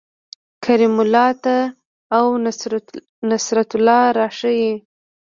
کریم الله ته او نصرت الله راشئ